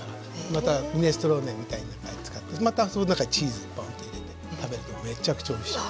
またミネストローネなんかに使ってまたその中にチーズをポンと入れて食べるとめちゃくちゃおいしい。